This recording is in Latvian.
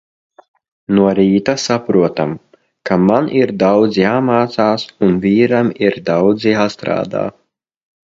No rīta saprotam, ka man ir daudz jāmācās un vīram ir daudz jāstrādā.